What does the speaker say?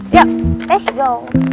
yuk let's go